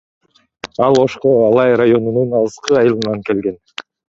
Ал Ошко Алай районунун алыскы айылынан келген.